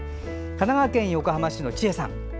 神奈川県横浜市のちえさん。